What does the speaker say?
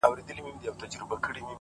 زه خو د وخت د بـلاگـانـــو اشـنا؛